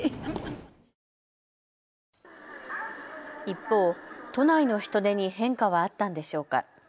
一方、都内の人出に変化はあったんでしょうか。